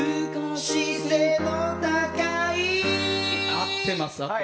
合ってます。